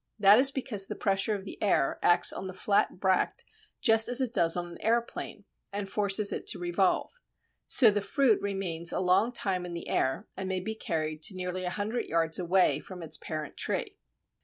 That is because the pressure of the air acts on the flat bract just as it does on an aeroplane, and forces it to revolve. So the fruit remains a long time in the air, and may be carried to nearly a hundred yards away from its parent tree.